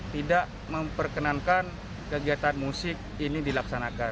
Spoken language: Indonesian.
tidak memperkenankan kegiatan musik ini dilaksanakan